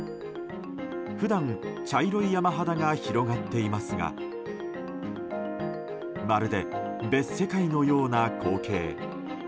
普段、茶色い山肌が広がっていますがまるで別世界のような光景。